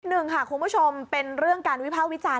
หนึ่งค่ะคุณผู้ชมเป็นเรื่องการวิภาควิจารณ